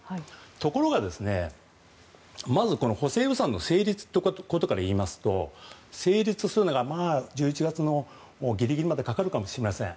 ところが、まず補正予算の成立ということからいうと成立するのが１１月のギリギリまでかかるかもしれません。